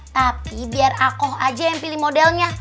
tapi biar akoh aja yang pilih modelnya